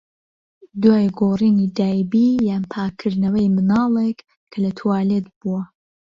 دوای گۆڕینی دایبی یان پاکردنەوەی مناڵێک کە لە توالێت بووە.